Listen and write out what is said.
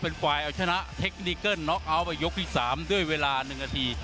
เป็นไฟล์เอาชนะเทคนิกเกิ้ลน็อกเอาไปยกที่สามด้วยเวลาหนึ่งนาที